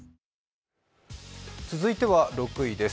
続いては６位です。